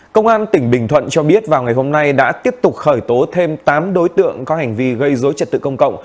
công an tỉnh bình thuận cho biết vào ngày hôm nay đã tiếp tục khởi tố thêm tám đối tượng có hành vi gây dối trật tự công cộng